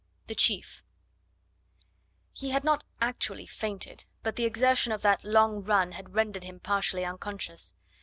THE CHIEF He had not actually fainted, but the exertion of that long run had rendered him partially unconscious.